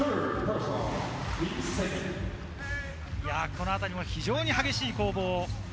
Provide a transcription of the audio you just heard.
このあたりも非常に激しい攻防。